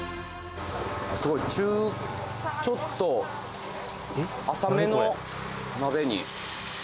すごいちょっと浅めの鍋に下炭火やね